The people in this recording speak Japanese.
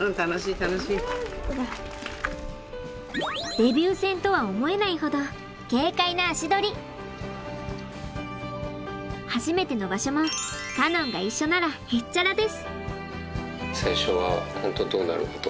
デビュー戦とは思えないほど初めての場所もカノンが一緒ならへっちゃらです！